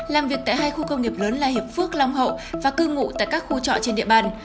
làm việc tại hai khu công nghiệp lớn là hiệp phước long hậu và cư ngụ tại các khu trọ trên địa bàn